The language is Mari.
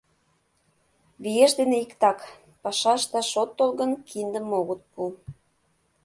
Виеш дене иктак: паша ышташ от тол гын, киндым огыт пу.